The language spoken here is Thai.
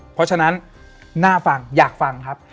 เพราะฉะนั้นน่าฟังอยากฟังครับ